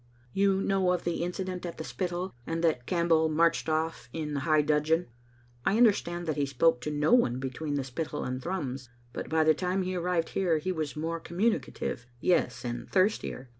" You know of the incident at the Spittal, and that Campbell marched off in high dudgeon? I understand that he spoke to no one between the Spittal and Thrums, but by the time he arrived here he was more communi cative; yes, and thirstier.